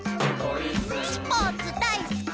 「スポーツだいすき！」